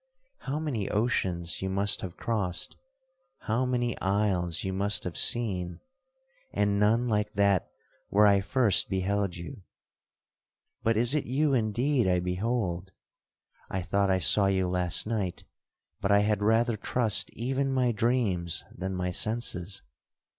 How many oceans you must have crossed, how many isles you must have seen, and none like that where I first beheld you! But is it you indeed I behold? I thought I saw you last night, but I had rather trust even my dreams than my senses.